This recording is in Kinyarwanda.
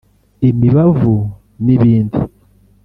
imibavu n’ibindi